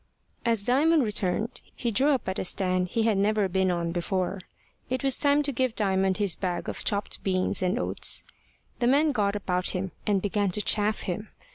As Diamond returned, he drew up at a stand he had never been on before: it was time to give Diamond his bag of chopped beans and oats. The men got about him, and began to chaff him.